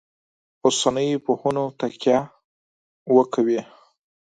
اوسنیو پوهنو تکیه وکوي.